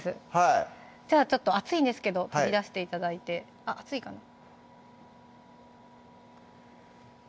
じゃあちょっと熱いんですけど取り出して頂いてあっ熱いかな